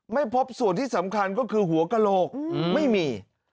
ไม่พบส่วนที่สำคัญก็คือหัวกระโหลกไม่มี